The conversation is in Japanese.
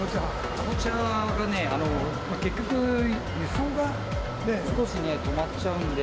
カボチャがね、結局、輸送が少しね、止まっちゃうんで。